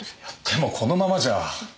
でもこのままじゃ。